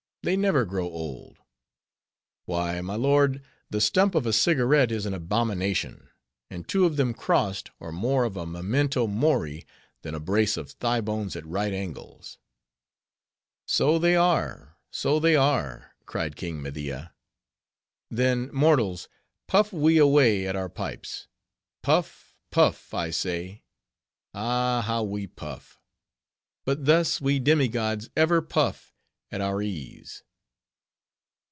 They never grow old. Why, my lord, the stump of a cigarret is an abomination; and two of them crossed are more of a memento mori, than a brace of thigh bones at right angles." "So they are, so they are," cried King Media. "Then, mortals, puff we away at our pipes. Puff, puff, I say. Ah! how we puff! But thus we demi gods ever puff at our ease."